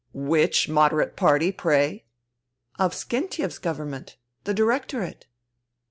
" Which ' moderate party,' pray ?"" Avksentiev's Government. The Directorate."